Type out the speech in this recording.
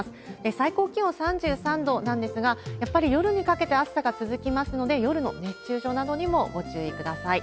最高気温３３度なんですが、やっぱり夜にかけて暑さが続きますので、夜の熱中症などにもご注意ください。